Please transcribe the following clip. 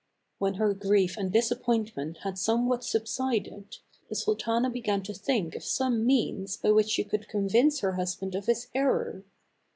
When her grief and disappointment had some what subsided, the sultana began to think of some means by which she could convince her husband of his error.